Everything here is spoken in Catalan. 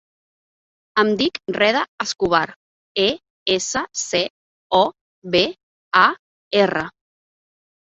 Em dic Reda Escobar: e, essa, ce, o, be, a, erra.